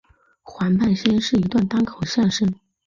黄半仙是一段单口相声。